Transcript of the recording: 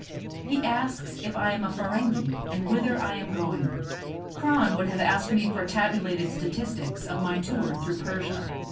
he asks if I am a Ferenghi and whither I am going; Kron would have asked me for tabulated statistics of my tour through Persia.